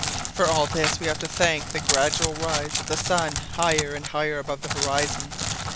For all this we have to thank the gradual rise of the sun higher and higher above the horizon.